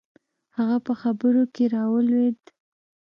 هغه په خبرو کښې راولويد.